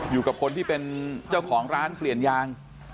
อยู่กับคนที่เป็นเจ้าของร้านเปลี่ยนยาง